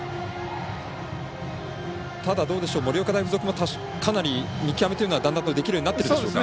ただ、盛岡大付属もかなり見極めというのはだんだんできるようになっているでしょうか。